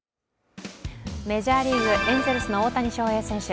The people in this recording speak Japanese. メジャーリーグ、エンゼルスの大谷翔平制定。